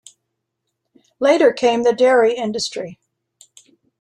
Later came the dairy industry.